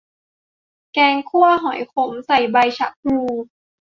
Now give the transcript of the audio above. แกงคั่วหอยขม ใส่ใบชะพลู